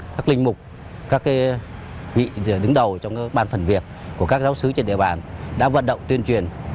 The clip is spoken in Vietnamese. các linh mục các vị đứng đầu trong ban phần việc của các giáo sứ trên địa bàn đã vận động tuyên truyền